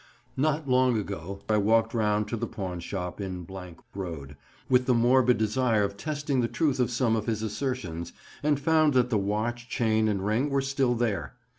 Not long ago I walked round to the pawn shop in — Road, with the morbid desire of testing the truth of some of his assertions, and found that the watch, chain, and ring were still there.